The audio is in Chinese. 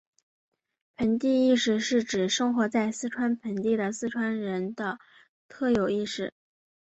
盆地意识是指生活在四川盆地的四川人的特有意识。